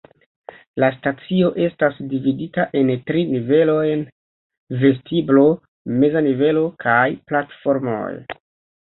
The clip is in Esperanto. La stacio estas dividita en tri nivelojn: vestiblo, meza nivelo kaj platformoj.